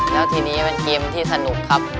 แล้วทีนี้เป็นเกมที่สนุกครับ